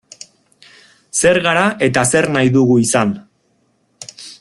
Zer gara eta zer nahi dugu izan?